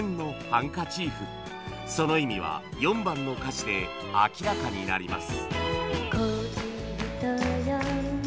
その意味は４番の歌詞で明らかになります